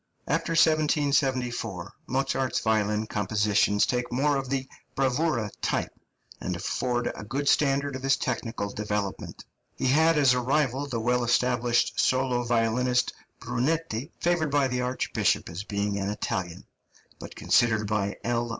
After 1774, Mozart's violin compositions take more of the bravura type, and afford a good standard of his technical development. He had as a rival the well established solo violinist, Brunetti, favoured by the archbishop as being an Italian, but considered by L.